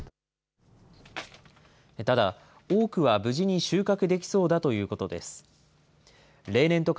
ただ、多くは無事に収穫できそうだということです。